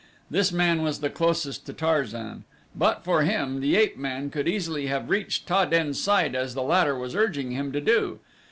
This man was the closest to Tarzan. But for him the ape man could easily have reached Ta den's side as the latter was urging him to do.